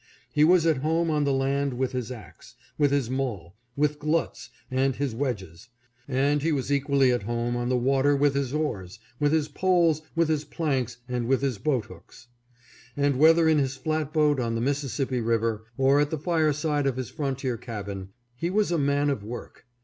He was at home on the land with his axe, 596 HIS SOUND PATRIOTISM. with his maul, with gluts, and his wedges ; and he was equally at home on the water with his oars, with his poles, with his planks, and with his boat hooks. And whether in his flat boat on the Mississippi river, or at the fireside of his frontier cabin, he was a man of work.